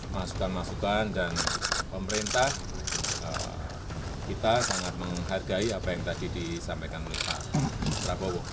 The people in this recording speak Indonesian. masukan masukan dan pemerintah kita sangat menghargai apa yang tadi disampaikan oleh pak prabowo